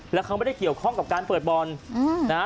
แล้วเขาไม่ได้เกี่ยวข้องกับการเปิดบอลนะฮะ